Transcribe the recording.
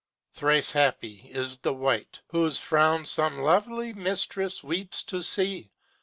Thrice happy is the wight Whose frown some lovely mistress weeps to see!